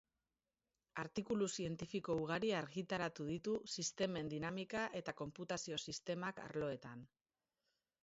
Artikulu zientifiko ugari argitaratu ditu sistemen dinamika eta konputazio-sistemak arloetan.